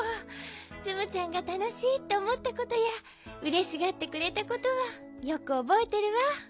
ツムちゃんがたのしいっておもったことやうれしがってくれたことはよくおぼえてるわ。